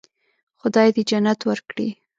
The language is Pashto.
خدای دې جنت ورکړي.